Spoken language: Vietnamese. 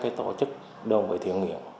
các tổ chức đồng vị thiện nghiệp